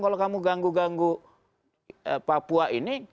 kalau kamu ganggu ganggu papua ini